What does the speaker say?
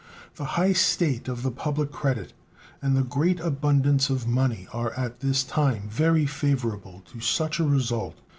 The high state of the public credit and the great abundance of money are at this time very favorable to such a result.